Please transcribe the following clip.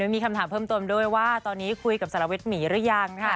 มีคำถามเพิ่มต้นด้วยว่าตอนนี้คุยกับสละเวชหมีหรือยังค่ะ